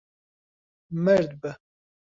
مەرد بە.